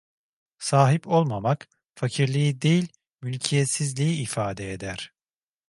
Sahip olmamak, fakirliği değil mülkiyetsizliği ifade eder.